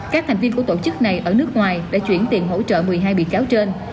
các thành viên của tổ chức này ở nước ngoài đã chuyển tiền hỗ trợ một mươi hai bị cáo trên